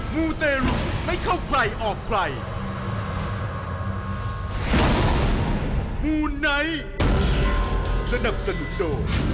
มูไนท์สนับสนุนโด